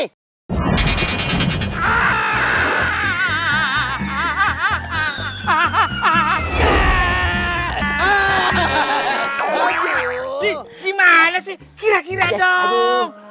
ibu gimana sih kira kira dong